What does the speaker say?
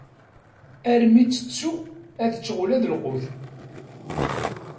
Armi i ttettuɣ ad ččeɣ ula d lqut!